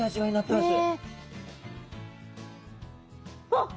あっ！